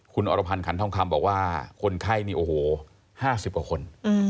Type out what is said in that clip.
คุณอรพันธ์ขันทองคำบอกว่าคนไข้นี่โอ้โห๕๐กว่าคน